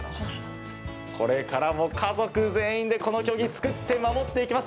これからも家族全員でこの経木、作って守っていきます。